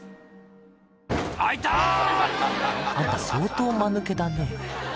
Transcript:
「あ痛！」あんた相当マヌケだね